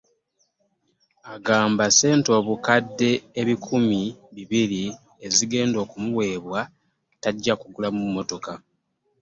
Agamba ssente obukadde ebikumi bibiri ezigenda okumuweebwa tajja kugulamu mmotoka